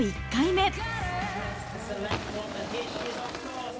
１回目。